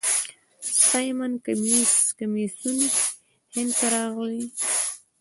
سایمن کمیسیون هند ته راغی.